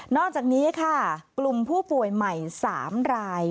อกจากนี้ค่ะกลุ่มผู้ป่วยใหม่๓ราย